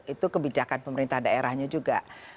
itu kebijakan pemerintah daerahnya juga